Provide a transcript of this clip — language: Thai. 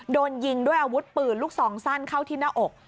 โดนยิงด้วยอาวุธปืนลูกซองสั้นเข้าที่หน้าอก